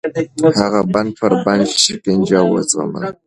هغه د بند پر بند شکنجه وزغمله.